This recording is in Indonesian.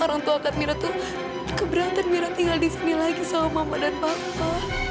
orang tua katmira tuh keberatan mira tinggal di sini lagi sama mama dan papa